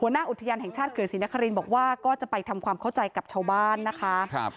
หน้าอุทยานแห่งชาติเขื่อนศรีนครินบอกว่าก็จะไปทำความเข้าใจกับชาวบ้านนะคะ